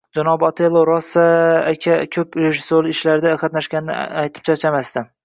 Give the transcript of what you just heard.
Janobi Otello aka rosa ko`p rejissyorlik ishlarida qatnashganini aytib charchamasdi